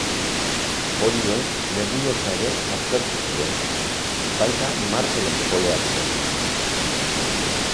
Orion nebulosa ere aztertu zuen, baita Marteren poloak ere.